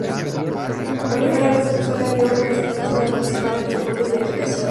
Por primera vez, Venezuela envió representantes para participar en los deportes de equitación.